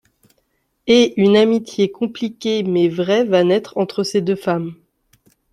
Et une amitié compliquée mais vraie va naître entre ces deux femmes.